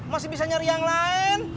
masih bisa nyari yang lain